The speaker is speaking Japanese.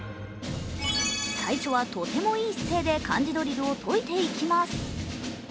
最初はとてもいい姿勢で漢字ドリルを解いていきます。